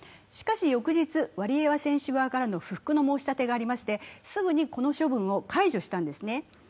しかし、翌日、ワリエワ選手側からの不服の申し立てがありましてすぐにこの処分を解除したんですね。